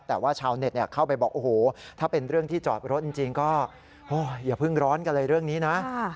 แต่ว่าชาวเน็ตเข้าไปบอกโอ้โหถ้าเป็นเรื่องที่จอดรถจริงก็อย่าเพิ่งร้อนกันเลยเรื่องนี้นะ